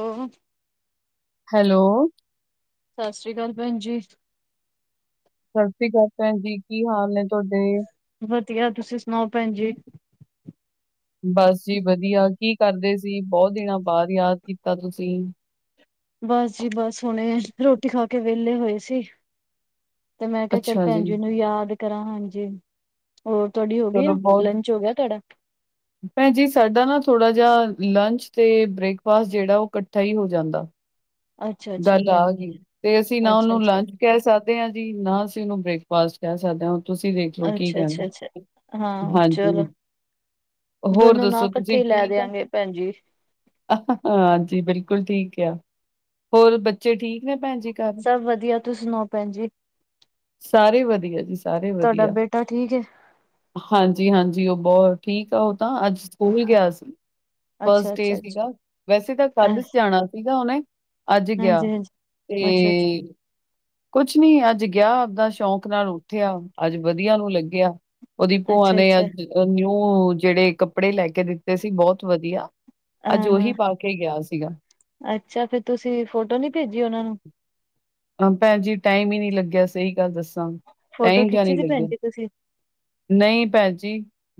ਉਹ [unintelligible] ਹੈਲੋ ਸਤਿ ਸ਼੍ਰੀ ਅਕਾਲ ਭੈਣ ਜੀ ਸਤਿ ਸ੍ਰੀ ਅਕਾਲ ਭੈਣ ਜੀ ਕੀ ਹਾਲ ਨੇ ਤੁਹਾੱਡੇ ਵਧੀਆ ਤੁਸੀਂ ਸੁਣਾਓ ਭੈਣ ਜੀ ਬਸ ਜੀ ਵਧੀਆ ਕੀ ਕਰਦੇ ਸੀ ਬਹੁਤ ਦਿਨਾਂ ਬਾਅਦ ਯਾਦ ਕੀਤਾ ਤੁਸੀਂ ਬੱਸ ਜੀ ਬੱਸ ਹੁਣੇ ਰੋਟੀ ਖਾ ਕੇ ਵਿਹਲੇ ਹੋਏ ਸੀ ਤੇ ਮੈਂ ਕਿਹਾ ਚੱਲ ਭੈਣ ਜੀ ਉਹਨੂੰ ਯਾਦ ਕਰਾਂ ਹਾਂਜੀ ਹੋਰ ਤੁਹਾਡੀ ਹੋ ਗਈ ਚਲੋ ਆ ਬਹੁਤ ਲੰਚ ਹੋ ਗਿਆ ਤੁਹਾਡਾ ਭੈਣ ਜੀ ਸਾਡਾ ਨਾ ਥੋੜਾ ਜਿਹਾ ਲੰਚ ਤੇ ਬ੍ਰੇਕਫਾਸਟ ਜਿਹੜਾ ਉਹ ਇਕੱਠਾ ਹੀ ਹੋ ਜਾਂਦਾ ਅੱਛਾ ਅੱਛਾ ਗੱਲ ਭੈਣ ਆ ਜੀ, ਗਈ ਤੇ ਅਸੀਂ ਨਾ ਅੱਛਾ ਉਹਨੂੰ ਅੱਛਾ ਲੰਚ ਕਹਿ ਸਕਦੇ ਹਾਂ ਜੀ ਨਾ ਅਸੀਂ ਉਹਨੂੰ ਬ੍ਰੇਕਫਾਸਟ ਕਹਿ ਸਕਦੇ ਹਾਂ ਤੁਸੀਂ ਦੇਖ ਲਉ ਕੀ ਅੱਛਾ ਅੱਛਾ ਕਹਿਣਾ ਅੱਛਾ ਹਾਂ ਹਾਂਜੀ ਚਲੋ ਹੋਰ ਦੋਨੋ ਨਾਂ ਦੱਸੋ ਇਕੱਠੇ ਤੁਸੀਂ ਹੀ ਲੈ ਠੀਕ ਆ? ਦਿਆਂਗੇ ਭੈਣ ਜੀ ਹਾਂਜੀ ਬਿਲਕੁਲ ਠੀਕ ਆ। ਹੋਰ ਬੱਚੇ ਠੀਕ ਨੇ ਭੈਣ ਜੀ? ਘਰ? ਸਭ ਵਧੀਆ। ਤੁਸੀਂ ਸੁਣਾਓ ਭੈਣ ਜੀ? ਸਾਰੇ ਵਧੀਆ ਜੀ ਸਾਰੇ ਵਧੀਆ। ਤੁਹਾਡਾ ਬੇਟਾ ਠੀਕ ਹੇ? ਹਾਂਜੀ ਹਾਂਜੀ ਉਹ ਬਹੁਤ ਠੀਕ ਆ ਉਹ ਤਾਂ ਅੱਜ ਸਕੂਲ ਗਿਆ ਸੀ ਅੱਛਾ ਫਸਟ ਡਏ ਅੱਛਾ ਅੱਛਾ ਸੀਗਾ ਵੈਸੇ ਤਾਂ ਕੱਲ ਜਾਣਾ ਸੀਗਾ ਉਹਨੇ। ਅੱਜ ਗਿਆ ਹਾਂਜੀ ਹਾਂਜੀ ਤੇ ਅੱਛਾ ਅੱਛਾ ਕੁਛ ਨੀ ਅੱਜ ਗਿਆ ਆਪਦਾ ਸ਼ੌਂਕ ਨਾਲ ਉੱਠਿਆ ਅੱਜ ਵਧੀਆ ਨੂੰ ਲੱਗਿਆ। ਉਹਦੀ ਭੂਆਂ ਅੱਛਾ ਨੇ ਅੱਛਾ ਅੱਜ ਨਿਊ ਜਿਹੜੇ ਕੱਪੜੇ ਲੈ ਕੇ ਦਿੱਤੇ ਸੀ ਬਹੁਤ ਵਧੀਆ। ਹਾਂ ਅੱਜ ਉਹੀ ਹਾਂ ਪਾ ਕੇ ਗਿਆ ਸੀਗਾ। ਅੱਛਾ ਫੇਰ ਤੁਸੀਂ ਫੋਟੋ ਨੀ ਭੇਜੀ ਉਹਨਾਂ ਨੂੰ? ਭੈਣ ਜੀ ਟਾਈਮ ਹੀ ਨਹੀਂ ਲੱਗਿਆ ਸਹੀ ਗੱਲ ਦੱਸਾਂ ਫੋਟੋ ਟਾਈਮ ਜਿਹਾ ਖਿੱਚੀ ਨਹੀਂ ਸੀ ਭੈਣ ਲੱਗਿਆ। ਜੀ ਤੁਸੀਂ ਨਹੀਂ ਭੈਣ ਜੀ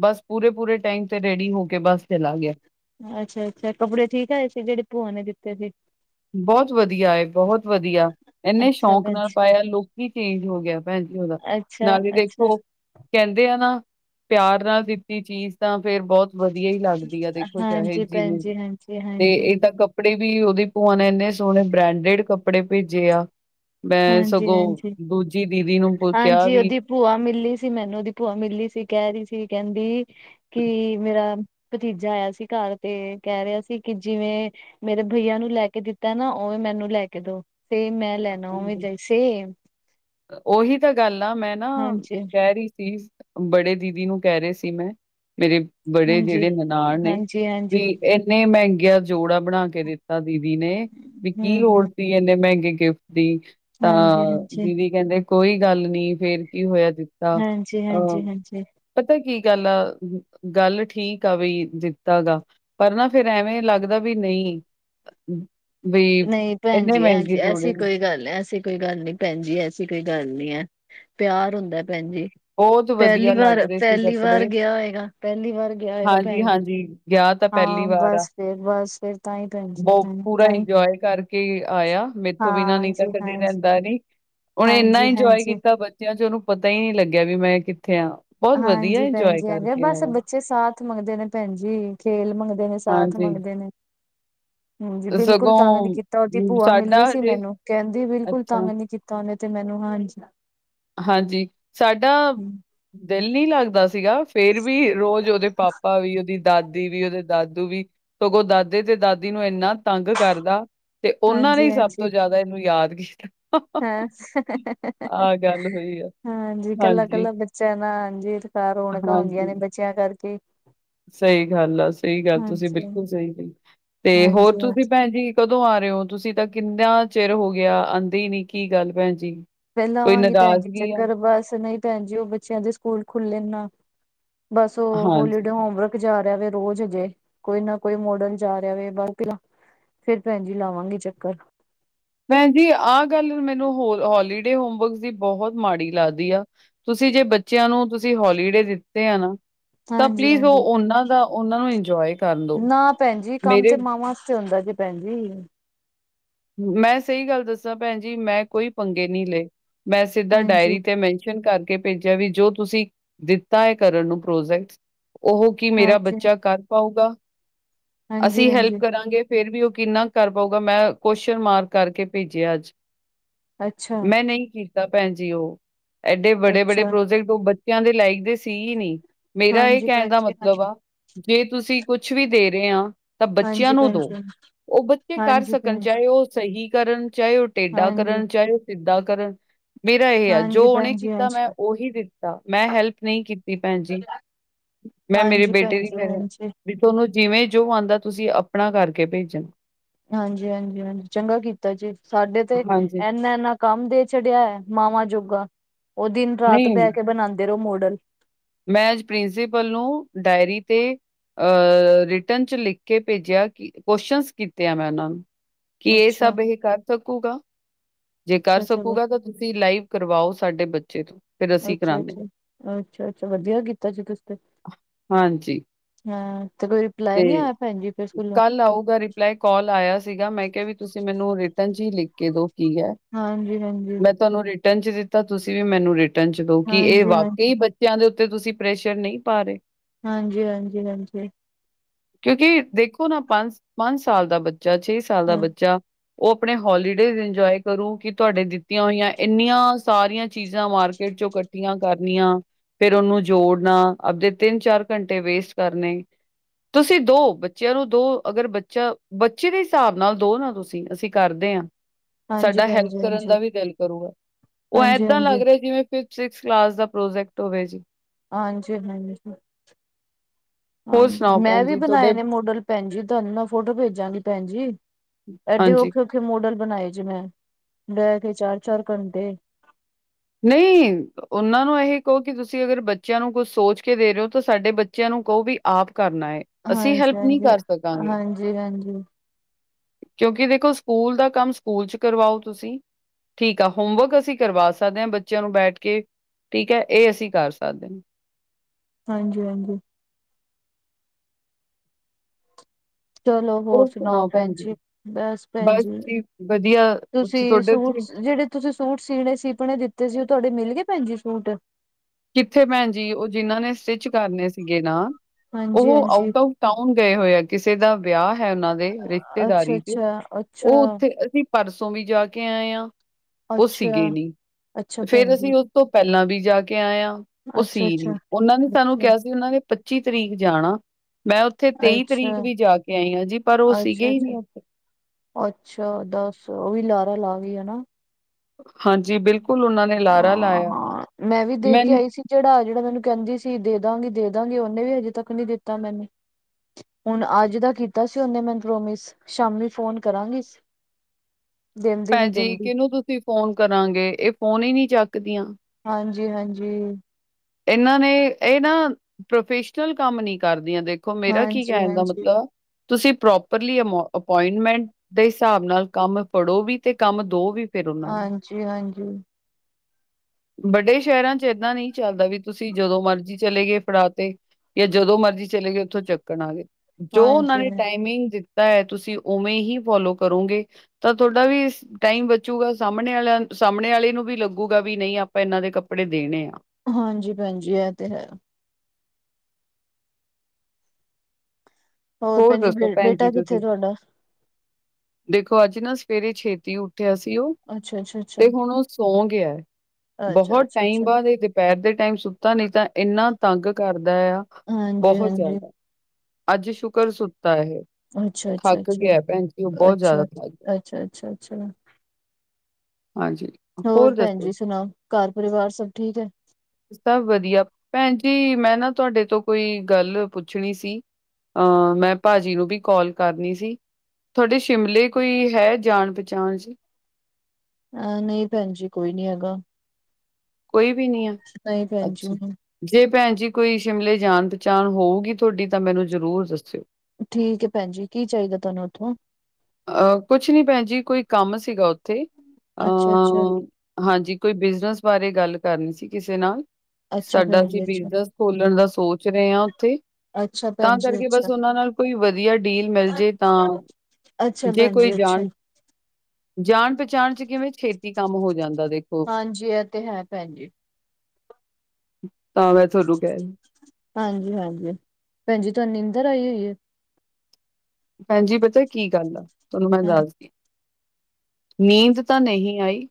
ਬਸ ਪੂਰੇ ਪੂਰੇ ਟਾਈਮ ਤੇ ਰੈਡੀ ਹੋ ਕੇ ਬੱਸ ਚਲਾ ਗਿਆ ਅੱਛਾ ਅੱਛਾ ਕੱਪੜੇ ਠੀਕ ਆਏ ਸੀ ਜਿਹੜੇ ਭੂਆ ਨੇ ਦਿੱਤੇ ਸੀ ਬਹੁੱਤ ਵਧੀਆ ਬਹੁੱਤ ਵਧੀਆ ਇੰਨੇ ਅੱਛਾ ਸ਼ੌਕ ਭੈਣ ਨਾਲ ਜੀ ਪਾਇਆ ਲੂਕ ਹੀ ਚੇਂਜ ਹੋ ਗਿਆ ਭੈਣ ਜੀ ਉਹਦਾ ਅੱਛਾ ਨਾਲੇ ਅੱਛਾ ਦੇਖੋ ਕਹਿੰਦੇ ਆ ਨਾ ਪਿਆਰ ਨਾਲ ਦਿੱਤੀ ਚੀਜ਼ ਤਾਂ ਫਿਰ ਬਹੁੱਤ ਵਧੀਆ ਹੀ ਲੱਗਦੀ ਆ ਦੇਖੋ ਚਾਹੇ ਹਾਂਜੀ ਭੈਣ ਜਿਵੇ ਜੀ ਹਾਂਜੀ ਤੇ ਹਾਂਜੀ ਇਹ ਤਾਂ ਕੱਪੜੇ ਵੀ ਉਹਦੇ ਭੂਆ ਨੇ ਇੰਨੇ ਸੋਹਣੇ ਬ੍ਰੈਂਡੀਡ ਕੱਪੜੇ ਭੇਜੇ ਆ। ਮੈਂ ਹਾਂਜੀ ਸਗੋਂ ਹਾਂਜੀ ਦੂਜੀ ਦੀਦੀ ਨੂੰ ਕਿਹਾ ਹਾਂਜੀ ਵੀ ਉਹਦੀ ਭੂਆ ਮਿਲੀ ਸੀ ਮੈਨੂੰ ਉਹਦੀ ਭੂਆ ਮਿਲੀ ਸੀ ਕਹਿ ਰਹੀ ਸੀ ਕਹਿੰਦੀ ਕਿ ਮੇਰਾ ਭਤੀਜਾ ਆਇਆ ਸੀ ਘਰ ਤੇ ਕਹਿ ਰਿਹਾ ਸੀ ਕਿ ਜਿਵੇਂ ਮੇਰੇ ਬਈਆ ਨੂੰ ਲੈ ਕੇ ਦਿੱਤਾ ਨਾ ਉਵੇਂ ਮੈਨੂੰ ਲੈ ਕੇ ਦੋ ਸੇਮ ਮੈਂ ਲੈਣਾ ਉਵੇਂ ਜਈ ਸੇਮ। ਉਹੀ ਤਾਂ ਗੱਲ ਆ ਮੈਂ ਨਾ ਹਾਂਜੀ ਕਹਿ ਰਹੀ ਸੀ ਬੜੇ ਦੀਦੀ ਨੂੰ ਕਹਿ ਰਹੇ ਸੀ ਮੈਂ ਮੇਰੇ ਬੜੇ ਹਾਂਜੀ ਜਿਹੜੇ ਨਨਾਣ ਨੇ ਹਾਂਜੀ ਵੀ ਹਾਂਜੀ ਇਹ ਇਨੇ ਮਹਿੰਗਿਆ ਜੋੜਾ ਬਣਾ ਕੇ ਦਿੱਤਾ ਦੀਦੀ ਨੇ ਵੀ ਕੀ ਹਮ ਲੋੜ ਹਮ ਸੀ ਇੰਨੇ ਮਹਿੰਗੇ ਗਿਫਟ ਦੀ ਹਾਂਜੀ ਤਾਂ ਹਾਂਜੀ ਦੀਦੀ ਕਹਿੰਦੇ ਕੋਈ ਗੱਲ ਨੀ ਫੇਰ ਕੀ ਹੋਇਆ ਦਿੱਤਾ ਹਾਂਜੀ ਹਾਂਜੀ ਅਹ। ਹਾਂਜੀ ਪਤਾ ਕੀ ਗੱਲ ਆ ਗੱਲ ਠੀਕ ਆ ਵੀ ਦਿੱਤਾ ਗਾ। ਪਰ ਨਾ ਫੇਰ ਐਵੇਂ ਲੱਗਦਾ ਵੀ ਨਹੀਂ। ਵੀ ਨਹੀਂ ਭੈਣ ਇੰਨੇ ਜੀ ਹਾਂਜੀ ਮਹਿੰਗੇ ਜੋੜੇ ਐਸੀ ਨੇ। ਕੋਈ ਗੱਲ ਨਹੀਂ ਐਸੀ ਕੋਈ ਗੱਲ ਨੀ ਭੈਣ ਜੀ ਐਸੀ ਕੋਈ ਗੱਲ ਨੀ ਹੈ ਪਿਆਰ ਹੁੰਦਾ ਭੈਣ ਜੀ। ਬਹੁਤ ਪਹਿਲੀ ਵਧੀਆ ਲੱਗ ਵਾਰ ਰਹੇ ਸੀ ਪਹਿਲੀ ਵਾਰ ਕੱਪੜੇ ਗਿਆ ਹੋਏਗਾ ਪਹਿਲੀ ਵਾਰ ਗਿਆ ਹੋਏਗਾ ਭੈਣ। ਹਾਂਜੀ-ਹਾਂਜੀ, ਗਿਆ ਤਾਂ ਪਹਿਲੀ ਹਾਂ ਵਾਰ ਆ, ਬਸ ਫੇਰ ਬਸ ਫੇਰ ਤਾਂ ਹੀ ਪੈੈ ਤਾਂ ਹੀ [unintelligible] ਕੇ ਆਇਆ ਮੇਥੋਂ ਬਿਨਾਂ ਨ ਤਾਂ ਹਾਂਜੀ ਕਦੇ ਹਾਂਜੀ। ਰਹਿੰਦਾ ਨੀ ਉਹਨੇ ਇੰਨਾ ਹਾਂਜੀ ਇੰਜੋਏ ਹਾਂਜੀ। ਕੀਤਾ ਚ ਤੇ ਉਹਨੂੰ ਪਤਾ ਹੀ ਨੀ ਲੱਗਿਆ ਵੀ ਮੈਂ ਕਿੱਥੇ ਆ। ਬਹੁਤ ਵਧੀਆ ਹਾਂਜੀ ਭੈਣ ਇੰਜੋਏ ਜੀ ਹਾਂਜੀ ਕਰਕੇ ਬਸ ਆਇਆ, ਬੱਚੇ ਸਾਥ ਸਾਥ ਮੰਗਦੇ ਨੇ ਭੈਣ ਜੀ ਖੇਲ ਮੰਗਦੇ ਨੇ ਸਾਥ ਹਾਂਜੀ, ਮੰਗਦੇ ਨੇ। ਹਾਂਜੀ ਬਿਲਕੁਲ ਸਗੋਂ ਤੰਗ ਨੀ ਕੀਤਾ ਉਹਦੀ ਅਮ, ਭੂਆ ਮਿਲੀ ਸਾਡਾ ਸੀ ਹਜੇ ਮੈਨੂੰ ਕਹਿੰਦੀ ਬਿਲਕੁਲ ਤੰਗ ਅੱਛਾ, ਨਹੀਂ ਕੀਤਾ। ਤਾਂ ਉਹਨੇ ਤੇ ਮੈਨੂ ਹਾਂਜੀ ਸਾਡਾ ਹੂੰ। ਦਿਲ ਨੀ ਲੱਗਦਾ। ਸੀਗਾ ਫੇਰ ਵੀ ਰੋਜ਼ ਉਹਦੇ ਪਾਪਾ ਵੀ ਉਹਦੀ ਦਾਦੀ ਵੀ ਉਹਦੇ ਦਾਦੂ ਵੀ ਸਗੋਂ ਦਾਦੇ ਤੇ ਦਾਦੀ ਨੂੰ ਇੰਨਾ ਤੰਗ ਕਰਦਾ। ਤੇ ਉਹਨਾਂ ਨੇ ਹਾਂਜੀ ਹੀ ਸਭ ਤੋਂ ਜ਼ਿਆਦਾ ਇਹਨੂੰ ਯਾਦ ਕੀਤਾ। ਹੈ ਆਹ ਗੱਲ ਹੋਈ ਆ, ਹਾਂਜੀ ਕੱਲਾ ਹਾਂਜੀ, ਕੱਲਾ ਬੱਚਾ ਨਾ ਹਾਂਜੀ ਤਾ ਰੌਣਕਾਂ ਹਉਂਦੀਆਂ ਹਾਂਜੀ। ਨੇ। ਬੱਚਿਆਂ। ਕਰਕੇ। ਸਹੀ। ਗੱਲ। ਆ। ਸਹੀ। ਗੱਲ। ਤੁਸੀਂ। ਹਾਂਜੀ ਬਿਲਕੁਲ। ਸਹੀ। ਗ। ਤੇ। ਹੋਰ। ਹਾਂਜੀ ਤੁਸੀਂ। ਹਾਂਜੀ ਭੈਣ। ਜੀ। ਕਦੋਂ। ਆ। ਰਹੇ। ਹੋ। ਤੁਸੀਂ। ਤਾਂ। ਕਿੰਨਾ। ਚਿਰ। ਹੋ। ਗਿਆ। ਆਉਂਦੇ। ਨੀ। ਕੀ। ਗੱਲ। ਭੈਣ। ਜੀ। ਪਹਿਲਾਂ। ਕੋਈ ਆਵਾਂਗੀ। ਭੈਣ। ਜੀ। ਨਾਰਾਜ਼ਗੀ ਆ? ਚੱਕਰ। ਬਸ। ਨਹੀਂ। ਭੈਣ। ਜੀ। ਉਹ। ਬੱਚਿਆਂ। ਦੇ। ਸਕੂਲ। ਖੁੱਲ੍ਹੇ। ਨਾ। ਬਸ, ਓ, ਹੋਲੀਡੇ, ਹਾਂਜੀ, ਹੋਮਵਰਕ। ਜਾ ਰਿਹਾ ਵੇ ਰੋਜ਼ ਹਜੇ, ਕੋਈ ਨਾ ਕੋਈ ਮੋਡਲ ਜਾ ਰਿਹਾ ਵੇ, ਬਲਾ ਫਿਰ ਭੈਨ ਜੀ ਲਾਵਾਂਗੀ ਚੱਕਰ। ਭੈਣ ਜੀ ਆਹ ਗੱਲ ਮੈਨੂੰ ਹੋ ਹੋਲੀਡੇ ਹੋਮਵਰਕਸ ਦੀ ਬਹੁਤ ਮਾੜੀ ਲੱਗਦੀ ਆ। ਤੁਸੀਂ ਜੇ ਬੱਚਿਆਂ ਨੂੰ ਤੁਸੀਂ ਹੋਲੀਡੇ ਦਿੱਤੇ ਆ ਨਾ ਤਾਂ। ਹਾਂਜੀ ਪਲੀਜ਼। ਉਹ। ਹਾਂਜੀ ਉਹਨਾਂ। ਦਾ। ਉਹਨਾਂ। ਨੂੰ। ਇੰਜੋਏ। ਕਰਨ ਦੋ। ਨਾ। ਭੈਣ। ਜੀ। ਕੰਮ। ਤੇ। ਮੇਰੇ ਮਾਵਾਂ। ਵਸਤੇ। ਹੁੰਂਦਾ। ਜੇ। ਭੈਣ। ਜੀ। ਮੈਂ। ਸਹੀ। ਗੱਲ। ਦੱਸਾਂ। ਭੈਣ। ਜੀ। ਮੈਂ। ਕੋਈ। ਪੰਗੇ। ਨਹੀਂੀ। ਲਏ। ਮੈਂ। ਸਿੱਧਾ। ਹਾਂਜੀ ਡਾਇਰੀ। ਤੇ। ਮੈਂ। ਕਰਕੇ। ਭੇਜਿਆ। ਵੀ। ਜੋ। ਤੁਸੀਂ। ਦਿੱਤਾ। ਹੈ। ਕਰਨ। ਨੂੰ। ਪ੍ਰੋਜੈਕਟ। ਉਹ। ਕਿ ਮੇਰਾ ਹਾਂਜੀ ਬੱਚਾ ਕਰ ਪਾਊਗਾ ਹਾਂਜੀ ਅਸੀਂ ਹੈਲਪ ਹਾਂਜੀ ਕਰਾਂਗੇ। ਫੇਰ ਵੀ ਉਹ ਕਿੰਨਾ ਕਰ ਪਾਊਗਾ ਮੈਂ ਕੁਸ਼ਚਨ ਮਾਰਕ ਕਰਕੇ ਭੇਜਿਆ ਅੱਜ। ਅੱਛਾ ਮੈਂ ਨਹੀਂ ਕੀਤਾ ਭੈਣ ਜੀ ਉਹ ਏਡੇ ਬੜੇ ਬੜੇ ਅੱਛਾ ਪ੍ਰੋਜੈਕਟ ਬਚਿਆਂ ਦੇ ਲਾਇਕ ਦੇ ਸੀ ਹੀ ਨੀ ਮੇਰਾ ਇਹ ਹਾਂਜੀ ਕਹਿਣ ਭੈਣ ਦਾ ਜੀ ਮਤਲਬ ਹਾਂਜੀ ਆ ਜੇ ਤੁਸੀਂ ਕੁਛ ਵੀ ਦੇ ਰਹੇ ਹਾਂ ਤਾਂ ਬੱਚਿਆਂ ਹਾਂਜੀ ਨੂੰ ਭੈਣ ਦਓ ਜੀ ਉਹ ਬੱਚੇ ਕਰ ਹਾਂਜੀ ਸਕ ਭੈਣ ਜੀ, ਚਾਹੇ ਉਹ ਸਹੀ ਕਰਨ ਚਾਹੇ ਉਹ ਟੇਡਾ ਹਾਂਜੀ, ਕਰਨ ਚਾਹੇ ਉਹ ਸਿੱਧਾ ਕਰਨ। ਮੇਰਾ। ਇਹ। ਆ। ਜੋ। ਹਾਂਜੀ ਉਹਨੇ। ਭੈਣ ਜੀ, ਕੀਤਾ। ਹਾਂਜੀ। ਮੈਂ। ਉਹੀ। ਦਿੱਤਾ। ਮੈਂ। ਹੈਲਪ। ਨਹੀਂ। ਕੀਤੀ। ਭੈਣ। ਜੀ। ਮੈਂ ਮੇਰੇ ਹਾਂਜੀ ਬੇਟੇ ਭੈਣ ਦੀ ਜੀ, ਫਰ ਹਾਂਜੀ, ਵੀ ਥੋਨੂੰ ਜਿਵੇਂ ਜੋ ਆਂਦਾ ਦਾ ਤੁਸੀਂ ਆਪਣਾ ਕਰਕੇ ਭੇਜਣ। ਹਾਂਜੀ ਹਾਂਜੀ ਹਾਂਜੀ ਚੰਗਾ ਕੀਤਾ ਜੇ, ਸਾਡੇ ਤੇ ਹਾਂਜੀ, ਐਨਾ-ਐਨਾ ਕੰਮ ਦੇ ਛੱਡਿਆ ਐ ਮਾਵਾਂ ਜੋਗਾ, ਓ ਦਿਨ ਰਾਤ ਨਹੀਂ ਬਹਿ ਕੇ ਬਨਾਂਦੇ ਰਹੋ ਮੋਡਲ। ਮੈਂ ਅੱਜ ਪ੍ਰਿੰਸੀਪਲ ਨੂੰ, ਡਾਇਰੀ ਤੇ ਅਹ, ਰਿਟਰਨ ਚ ਲਿਖ ਕੇ ਭੇਜਿਆ ਕਿ, ਕੁਸ਼ਚਨਸ ਕੀਤੇ ਆ ਮੈਂ ਉਹਨਾਂ ਨੂੰ। ਕੀ ਇਹ ਅੱਛਾ, ਸਭ ਇਹ ਕਰ ਸਕੂਗਾ? ਜੇ ਕਰ ਅੱਛਾ ਚਲੋ। ਸਕੂਗਾ ਤਾਂ ਤੁਸੀਂ ਲਾਈਵ ਕਰਵਾਓ ਸਾਡੇ ਬੱਚੇ ਤੋਂ। ਫਿਰ ਅਸੀਂ ਅੱਛਾ, ਕਰਾਂਦੇ ਹਾਂ। ਅੱਛਾ, ਅੱਛਾ, ਅੱਛਾ ਵਧੀਆ ਕੀਤਾ ਜੀ ਤੁਸੀ ਹਾਂਜੀ, ਹਾਂ, ਤੇ ਕੋਈ ਰਿਪਲਾਈ ਨੀ ਆਇਆ ਭੈਨ ਜੀ ਫੇਰ ਸਕੁੱਲੋਂ? ਲਾਓ ਗਰੀਬ [unintelligible] ਕਾਲ ਆਇਆ ਸੀਗਾ ਮੈਂ ਕਿਹਾ ਵੀ ਤੁਸੀਂ ਮੈਨੂੰ, ਰਿਟਰਨ ਚ ਹੀ ਲਿਖ ਕੇ ਦੋ ਕੀ ਐ? ਹਾਂਜੀ-ਹਾਂਜੀ। ਤੁਹਾਨੂੰ ਰਿਟਰਨ ਚ ਦਿੱਤਾ ਤੁਸੀਂ ਵੀ ਮੈਨੂੰ ਰਿਟਰਨ ਚ ਦੋ ਕਿ, ਏ ਹਾਂਜੀ, ਵਾਕਈ ਹਾਂਜੀ। ਬੇ ਬੱਚਿਆਂ ਦੇ ਉੱਤੇ ਤੁਸੀਂ ਪ੍ਰੇਸ਼ਰ ਨਹੀਂ ਪਾ ਰਹੇ? ਹਾਂਜੀ, ਹਾਂਜੀ, ਹਾਂਜੀ। ਕਿਉਂਕਿ, ਦੇਖੋ ਨਾ ਪੰਜ, ਪੰਜ ਸਾਲ ਦਾ ਬੱਚਾ, ਛੇ ਸਾਲ ਦਾ ਹਾਂ ਬੱਚਾ। ਉਹ ਆਪਣੇ ਹੋਲੀਡੇਜ਼ ਇੰਜੋਏ ਕਰੂ ਕਿ ਤੁਵਾੱਡੇ ਦਿੱਤੀਆਂ ਹੋਈਆਂ ਇੰਨੀਆਂ ਸਾਰੀਆਂ ਚੀਜ਼ਾਂ ਮਾਰਕੀਟ ਚੋਂ ਕਠ ਕਰਨੀਆਂ, ਫੇਰ ਓਂਨੂੰ ਜੋੜਨਾ, ਆਪਦੇ ਤਿੰਨ ਚਾਰ ਘੰਟੇ ਵੇਸਟ ਕਰਨੇ। ਤੁਸੀਂ ਦੋ, ਬੱਚਿਆਂ ਨੂੰ ਦੋ, ਅਗਰ ਬੱਚਾ, ਬੱਚੇ ਦੇ ਹਿਸਾਬ ਨਾਲ ਦੋ ਨਾ ਤੁਸੀਂ, ਅਸੀਂ ਕਰਦੇ ਆਂ। ਹਾਂਜੀ ਸਾਡਾ ਭੈਣ ਹੈਲਪ ਜੀ, ਕਰਨ ਹਾਂਜੀ, ਦਾ ਵੀ ਦਿਲ ਕਰੂਗਾ, ਉਹ ਹਾਂਜੀ, ਐਦਾਂ ਲੱਗ ਹਾਂਜੀ, ਰਿਹਾ ਜਿਵੇਂ ਸਿੱਕਸ ਕਲਾਸ ਦਾ ਪ੍ਰੋਜੈਕਟ ਹੋਵੇ ਜੀ। ਹਾਂਜੀ, ਹਾਂਜੀ, ਹੋਰ ਹਾਂਜੀ ਸੁਣਾਓ ਮੈਂ ਭੈਣ ਵੀ ਜੀ ਬਨਾਏ ਤੁਹਾਡੇ ਨੇ ਮੋਡਲ। ਭੈਣ ਜੀ ਤੁਹਾਨੂੰ ਨਾ ਫੋਟੋ ਭੇਜਾਂਗੀ ਭੈਣ ਜੀ, ਐਡੇ ਹਾਂਜੀ। ਔਖੇ ਮੋਡਲ ਬਨਾਏ ਜੇ ਮੈਂ, ਬੈਕੇ ਚਾਰ-ਚਾਰ ਘੰਟੇ। ਨਹੀਂ। [inaudible] ਉਹਨਾਂ ਨੂੰ ਇਹ ਕਹੋ ਕਿ ਤੁਸੀਂ ਅਗਰ ਬੱਚਿਆਂ ਨੂੰ ਕੁਛ ਸੋਚ ਕੇ ਦੇ ਰਹੇ ਹੋ ਤਾਂ ਸਾਡੇ ਬੱਚਿਆਂ ਨੂੰ ਕਹੋ ਵੀ, ਆਪ ਕਰਨਾ ਏ। ਅਸੀਂ ਹੈਲਪ ਹਾਂਜੀ ਨਹੀਂ ਹਾਂਜੀ ਕਰ ਸਕਾਂਗੇ। ਹਾਂਜੀ ਹਾਂਜੀ। ਕਿਉਂਕਿ ਦੇਖੋ ਸਕੂਲ ਦਾ ਕੰਮ ਸਕੂਲ 'ਚ' ਕਰਵਾਓ ਤੁਸੀ। ਠੀਕ ਆ ਹੋਮਵਰਕ ਅਸੀਂ ਕਰਵਾ ਸਕਦੇ ਆਂ ਬੱਚਿਆਂ ਨੂੰ ਬੈਠ ਕੇ। ਠੀਕ ਹੈ, ਇਹ ਅਸੀ ਕਰ ਸਕਦੇ ਆਂ। ਹਾਂਜੀ-ਹਾਂਜੀ। ਚਲੋ ਹੋਰ ਸੁਣਾਓ ਭੈਣ ਜੀ, ਬਸ ਭੈਣਜੀ, ਜੀ ਵਧੀਆ ਉੱਥੇ ਤੁਸੀ ਤੁਹਾਡੇ ਸੂਟ ਉੱਥੇ ਜਿਹੜੇ ਤੁਸੀਂ ਸੂਟ ਸੀਣੇ ਸੀਪਣੇ ਦਿੱਤੇ ਸੀ ਉਹ ਤੁਹਾਡੇ ਮਿਲ ਗਏ ਭੈਣਜੀ ਸੂਟ? ਕਿੱਥੇ ਭੈਣ ਜੀ, ਉਹ ਜਿੰਹਨਾਂ ਨੇ ਸਟਿੱਚ ਕਰਨੇ ਸੀਗੇ ਨਾ, ਹਾਂਜੀ ਉਹ ਹਾਂਜੀ ਆਊਟ ਔਫ ਟਾਊਨ ਗਏ ਹੋਏ ਆ। ਕਿਸੇ ਦਾ ਵਿਆਹ ਹੈ। ਉਹਨਾਂ ਦੇ, ਅੱਛਾ ਰਿਸ਼ਤੇਦਾਰੀ ਚ, ਅੱਛਾ ਉਹ ਅੱਛਾ ਉੱਥੇ ਅਸੀਂ। ਪਰਸੋਂ ਵੀ, ਜਾ ਕੇ ਆਏ ਹਾਂ। ਉਹ ਅੱਛਾ ਸੀਗੇ ਨੀ, ਅੱਛਾ ਭੈਣ ਫੇਰ ਜੀ ਅਸੀਂ, ਉਹ। ਤੋਂ ਪਹਿਲਾਂ ਵੀ, ਜਾ ਕੇ ਆਇਆ। ਉਹ ਸੀ ਅੱਛਾ ਨੀ, ਅੱਛਾ ਉਹਨਾਂ ਨੇ। ਸਾਨੂੰ ਅੱਛਾ ਕਿਹਾ ਸੀ ਉਹਨਾਂ ਨੇ। ਪੱਚੀ ਤਰੀਕ ਜਾਣਾ ਮੈਂ ਉੱਥੇ ਤੇਈ ਤਰੀਕ ਅੱਛਾ ਵੀ ਜਾ ਕੇ ਆਈ ਆਂ ਜੀ, ਪਰ ਉਹ ਅੱਛਾ ਸੀਗੇਈ ਅੱਛਾ ਨੀ ਉੱਥੇ। ਅੱਛਾ ਦਸ, ਉਹ ਵੀ ਲਾਰਾ ਲਾ ਗਈ ਹਨਾ? ਹਾਂਜੀ ਬਿਲਕੁਲ ਉਹਨਾਂ ਨੇ ਲਾਰਾ ਹਾਂ ਲਾਇਆ, ਹਾਂ, ਮੈਂ ਵੀ ਦੇ ਕੇ ਆਈ ਸੀ। ਜਿਹੜਾ ਜਿਹੜਾ ਮੈਨੂੰ ਕਹਿੰਦੀ ਸੀ ਦੇ ਦਾਂਗੀ, ਦੇ ਦਾਂਗੀ ਉਹਨੇ ਵੀ ਹਜੇ ਤੱਕ ਨਹੀਂ ਦਿੱਤਾ ਮੈਨੂੰ? ਹੁਣ ਅੱਜ ਦਾ ਕੀਤਾ ਸੀ ਓਨੇ ਮੈਨੂੰ ਪ੍ਰੋਮਿਸ, ਸ਼ਾਮੀ ਫੋਨ ਕਰਾਂਗੀ। ਦਿੰਦੀ ਨੀ ਭੈਨਜੀ ਦਿੰਦੀ ਕਿਹਨੂੰ ਤੁਸੀਂ ਫੋਨ ਕਰਾਂਗੇ, ਇਹ ਫੋਨ ਹੀ ਨਹੀਂ ਚੱਕਦੀਆਂ। ਹਾਂਜੀ-ਹਾਂਜੀ। ਇਹਨਾਂ ਨੇ, ਇਹ ਨਾ, ਪ੍ਰੋਫੈਸ਼ਨਲ ਕੰਮ ਨੀ ਕਰਦੀਆਂ। ਦੇਖੋ, ਮੇਰਾ ਕੀ, ਹਾਂਜੀ ਕਹਿਣ ਦਾ ਹਾਂਜੀ। ਮਤਲਬ ਹੈ। ਤੁਸੀਂ ਪ੍ਰੋਪਰਲੀ, ਪਇੰਟਮੈਂਟ। ਦੇ ਹਿਸਾਬ ਨਾਲ, ਕੰਮ ਫੜੋ ਵੀ, ਤੇ ਕੰਮ ਦੋ ਵੀ। ਫੇਰ ਉਹਨਾਂ ਨੂੰ, ਹਾਂਜੀ ਹਾਂਜੀ ਵੱਡੇ ਸ਼ਹਿਰਾਂ ਚ, ਏਦਾਂ ਨਹੀ। ਕੀ ਚੱਲਦਾ ਵੀ, ਤੁਸੀਂ ਜਦੋਂ ਮਰਜੀ ਚਲੇ ਗਏ। ਫੜਾ ਤੇ, ਜਾਂ ਜਦੋਂ ਮਰਜੀ ਚਲੇ ਗਏ। ਉੱਥੋਂ ਚੱਕਣ ਆ ਗਏ। ਜੋ ਹਾਂਜੀ ਉਹਨਾਂ ਨੇ, ਟਾਈਮਿੰਗ ਦਿੱਤਾ ਹੈ। ਤੁਸੀਂ ਉਵੇਂ ਹੀ, ਫੋਲੋ ਕਰੋਗੇ। ਤਾਂ ਤੁਹਾਡਾ ਵੀ। ਟਾਈਮ ਬਚੂਗਾ। ਸਾਹਮਣੇ ਵਾਲਿਆਂ, ਸਾਹਮਣੇ ਵਾਲੇ ਨੂੰ ਵੀ ਲੱਗੂਗਾ, ਵੀ ਨਹੀਂ ਆਪਾਂ ਇਹਨਾਂ ਦੇ ਕੱਪੜੇ ਦੇਣੇ ਆ। ਹਾਂਜੀ। ਭੈਣ ਜੀ, ਇਹ ਤੇ ਹੈ। ਹੋਰ, ਜੀ ਦੱਸੋ ਬੇ ਭੈਣ ਜੀ, ਬੇਟਾ ਕਿੱਥੇ ਤੁਸੀਂ? ਤੁਹਾਡਾ ਦੇਖੋ ਅੱਜ ਨਾ, ਸਵੇਰੇ ਛੇਤੀ ਉੱਠਿਆ ਸੀ, ਉਹ। ਅੱਛਾ ਅੱਛਾ ਅੱਛਾ ਤੇ ਹੁਣ ਉਹ। ਸੌ ਗਿਆ ਹੈ। ਅੱਛਾ ਬਹੁਤ ਅੱਛਾ ਟਾਈਮ, ਅੱਛਾ। ਬਾਅਦ ਇਹ। ਦੁਪਹਿਰ ਦੇ ਟਾਈਮ ਸੁੱਤਾ। ਨੀ, ਤਾਂ ਇੰਨਾ, ਤੰਗ ਕਰਦਾ ਆ। ਹਾਂਜੀ ਬਹੁਤ ਹਾਂਜੀ ਜ਼ਿਆਦਾ। ਅੱਜ, ਸ਼ੁਕਰ ਸੁੱਤਾ ਹੈ। ਅੱਛਾ ਅੱਛਾ ਥੱਕ ਅੱਛਾ ਗਿਆ। ਭੈਣ ਜੀ, ਉਹ ਅੱਛਾ। ਬਹੁਤ, ਅੱਛਾ ਜ਼ਿਆਦਾ ਥੱਕ ਗਿਆ। ਅੱਛਾ ਅੱਛਾ ਹਾਂਜੀ। ਹੋਰ, ਭੈਣ ਜੀ, ਸੁਣਾਓ ਘਰ ਪਰਿਵਾਰ ਸਭ ਠੀਕ ਹੈ? ਸਭ ਵਧੀਆ। ਭੈਣ ਜੀ, ਮੈਂ ਨਾ ਤੁਹਾਡੇ, ਤੋਂ ਕੋਈ ਗੱਲ, ਪੁੱਛਣੀ ਸੀ। ਆ, ਮੈਂ ਭਾਜੀ ਨੂੰ ਵੀ, ਕੋਲ ਕਰਨੀ ਸੀ। ਤੁਹਾਡੇ, ਸ਼ਿਮਲੇ ਕੋਈ ਹੈ। ਜਾਣ- ਪਹਿਚਾਣ ਚ। ਆ, ਨਹੀਂ ਭੈਣ ਜੀ, ਕੋਈ ਨੀ ਹੈਗਾ। ਕੋਈ ਵੀ, ਨਹੀਂ ਆ। ਨਹੀਂ, ਭੈਣ ਜੀ। ਅੱਛਾ ਜੇ, ਭੈਣ ਜੀ, ਕੋਈ ਸ਼ਿਮਲੇ ਜਾਣ- ਪਹਿਚਾਣ ਹੋਊਗੀ। ਤੁਹਾਡੀ ਤਾਂ, ਮੈਨੂੰ ਜ਼ਰੂਰ ਦੱਸਿਉ। ਠੀਕ ਹੈ। ਭੈਣ ਜੀ, ਕੀ ਚਾਹੀਦਾ, ਤੁਹਾਨੂੰ ਉੱਥੋਂ। ਆ, ਕੁਛ ਨੀ, ਭੈਣ ਜੀ, ਕੋਈ ਕੰਮ ਸੀਗਾ, ਉੱਥੇ। ਆ। ਅੱਛਾ ਅੱਛਾ ਹਾਂਜੀ। ਕੋਈ ਬਿਜਨਸ, ਬਾਰੇ ਗੱਲ ਕਰਨੀ ਸੀ। ਕਿਸੇ ਨਾਲ। ਅੱਛਾ ਸਾਡਾ, ਭੈਣ ਅਸੀਂ ਜੀ ਅੱਛਾ ਬਿਜ਼ਨਸ, ਖੋਲਣ ਦਾ ਸੋਚ ਰਹੇ ਹਾਂ। ਉੱਥੇ। ਅੱਛਾ ਤਾਂ ਭੈਣ ਜੀ ਕਰਕੇ, ਬਸ ਅੱਛਾ ਉਹਨਾਂ ਨਾਲ, ਕੋਈ ਵਧੀਆ, ਡੀਲ ਮਿਲ ਜੇ ਤਾਂ। ਅੱਛਾ ਜੇ ਭੈਣ ਕੋਈ, ਜੀ ਅੱਛਾ ਜਾਣ। ਜਾਣ- ਪਚਾਣ ਚ, ਕਿਵੇਂ ਛੇਤੀ ਕੰਮ ਹੋ ਜਾਂਦਾ। ਜੇ, ਹਾਂਜੀ। ਇਹ ਤੇ ਹੈ। ਭੈਣ ਜੀ। ਤਾਂ ਮੈਂ, ਤੁਹਾਨੂੰ ਕਹਿ। ਹਾਂਜੀ- ਹਾਂਜੀ। ਭੈਣ ਜੀ, ਤੁਹਾਨੂੰ ਨਿੰਦਰ, ਆਈ ਹੋਈ ਹੈ। ਭੈਣ ਜੀ, ਪਤਾ ਕੀ ਗੱਲ ਆ। ਤੁਹਾਨੂੰ ਮੈਂ ਹਾਂ ਦੱਸਦੀ। ਨੀਂਦ ਤਾਂ, ਨਹੀਂ ਆਈ।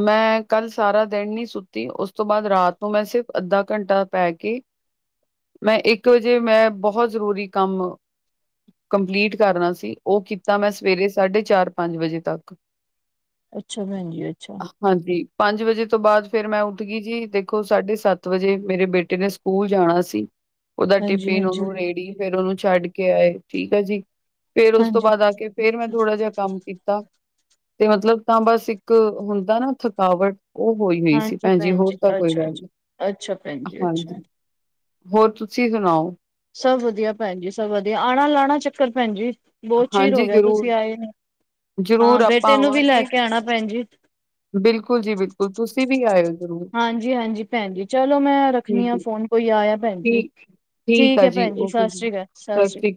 ਮੈਂ ਕੱਲ, ਸਾਰਾ ਦਿਨ ਨੀ, ਸੁੱਤੀ। ਉਸ ਤੋਂ ਬਾਅਦ, ਰਾਤ ਨੂੰ, ਮੈਂ ਸਿਰਫ, ਅੱਧਾ ਘੰਟਾ ਪੈ ਕੇ। ਹ [inaudible] ਮੈਂ ਇੱਕ ਵਜੇ, ਮੈਂ ਬਹੁਤ ਜ਼ਰੂਰੀ ਕੰਮ। ਕੰਪਲੀਟ ਕਰਨਾ ਸੀ ਉਹ ਕੀਤਾ ਮੈਂ ਸਵੇਰੇ ਸਾਢੇ ਚਾਰ ਪੰਜ ਵਜੇ ਤੱਕ। [inaudible] ਅੱਛਾ ਭੈਣ ਜੀ ਅੱਛਾ। ਹਾਂਜੀ ਪੰਜ ਵਜੇ ਤੋਂ ਬਾਅਦ ਫੇਰ ਮੈਂ ਉੱਠ ਗਈ ਜੀ ਦੇਖੋ ਸਾਢੇ ਸੱਤ ਵਜੇ ਮੇਰੇ ਬੇਟੇ ਨੇ ਸਕੂ ਸਕੂਲ ਜਾਣਾ ਸੀ। ਉਹਦਾ ਹਾਂਜੀ ਟਿਫਿਨ, ਹਾਂਜੀ ਉਹਨੂੰ ਰੇੜੀ, ਫੇਰ ਉਹਨੂੰ, ਛੱਡ ਕੇ ਆਏ। ਠੀਕ ਹੈ ਜੀ। ਫੇਰ ਉਸ ਤੋਂ, ਹਾਂਜੀ ਬਾਅਦ ਆ ਕੇ। ਫੇਰ ਮੈਂ, ਥੋੜਾ ਜਿਹਾ ਕੰਮ ਕੀਤਾ। ਤੇ ਮਤਲਬ, ਤਾਂ ਬਸ, ਇੱਕ ਹੁੰਦਾ ਨਾ, ਥਕਾਵਟ। ਉਹ, ਹੋਈ, ਹੋਈ ਸੀ। ਹਾਂਜੀ ਭੈਣਜੀ, ਭੈਣ ਜੀ ਹੋਰ ਤਾਂ ਕੋਈ ਅੱਛਾ ਗੱਲ ਨੀ, ਅੱਛਾ ਅੱਛਾ ਭੈਣ ਜੀ ਅੱਛਾ ਹਾਂਜੀ। ਹੋਰ, ਤੁਸੀਂ ਸੁਣਾਓ? ਸਭ ਵਧੀਆ, ਭੈਣ ਜੀ, ਸਭ ਵਧੀਆ। ਆਉਣਾ, ਲਾਉਣਾ ਚੱਕਰ ਭੈਣ ਜੀ। ਬਹੁਤ ਚੀਰ ਹੋ ਹਾਂਜੀ, ਗਿਆ। ਤੁਸੀਂ, ਜ਼ਰੂਰ, ਆਏ ਨੀ। ਹਾਂ! ਜ਼ਰੂਰ ਬੇਟੇ ਆਪਾਂ ਨੂੰ ਵੀ, ਲੈ ਆਵਾਂਗੇ। ਕੇ, ਆਣਾ ਭੈਣ ਜੀ। ਬਿਲਕੁਲ ਜੀ ਬਿਲਕੁਲ, ਤੁਸੀਂ ਵੀ ਆਇਓ ਜ਼ਰੂਰ, ਹਾਂਜੀ- ਹਾਂਜੀ, ਭੈਣ ਜੀ, ਚਲੋ ਮੈਂ, ਰੱਖਣੀ ਠੀਕ ਹਾਂ ਹੈ, ਫੋਨ। ਕੋਈ ਆਇਆ ਭੈਣ ਜੀ। ਠੀ ਠੀਕ ਹੈ। ਭੈਣ ਜੀ, ਸਤਿ ਸ਼੍ਰੀ ਅਕਾਲ। ਸਤਿ ਸ਼੍ਰੀ ਅਕਾਲ।